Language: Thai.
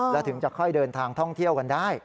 และถึงจะค่อยเดินทางท่องเที่ยวกันได้